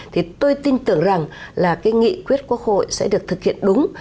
thì tôi tin tưởng rằng là nghị quyết của hội sẽ được thực hiện đúng